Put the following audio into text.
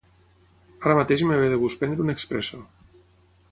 Ara mateix em ve de gust prendre un expresso.